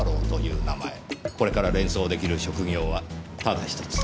これから連想出来る職業はただひとつ。